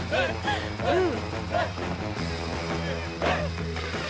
うん。